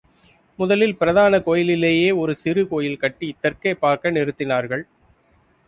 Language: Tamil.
முதலில் பிரதான கோயிலிலேயே ஒரு சிறு கோயில் கட்டி தெற்கே பார்க்க நிறுத்தினார்கள்.